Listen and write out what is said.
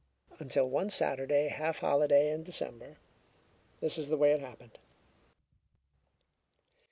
Until one Saturday half holiday in December. This is the way it happened.